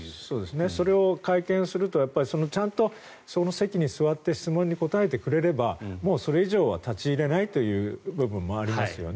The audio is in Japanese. それを、会見するとちゃんとその席に座って質問に答えてくれればそれ以上は立ち入れないという部分もありますよね。